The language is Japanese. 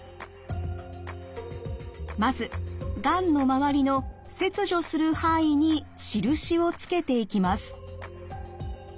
まずがんの周りの切除する範囲に印をつけていきます。